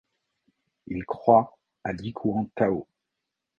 Il croit à l'Ikouan Tao.